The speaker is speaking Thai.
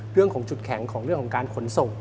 เรื่องของจุดแข็งของเรื่องของการขนส่ง